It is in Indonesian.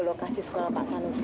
lokasi sekolah pak sanusi